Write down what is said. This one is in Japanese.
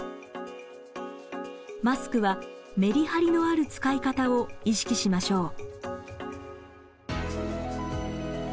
マスクはメリハリのある使い方を意識しましょう。